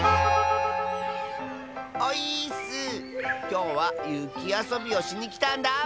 きょうはゆきあそびをしにきたんだ！